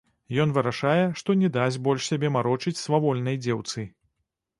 Ён вырашае, што не дасць больш сябе марочыць свавольнай дзеўцы.